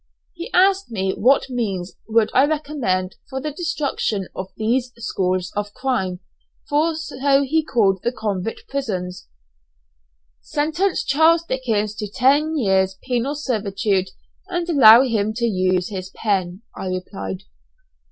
He asked me what means would I recommend for the destruction of these schools of crime? for so he called the convict prisons. "Sentence Charles Dickens to ten years' penal servitude, and allow him to use his pen," I replied.